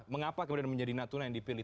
mengapa kemudian menjadi natuna yang dipilih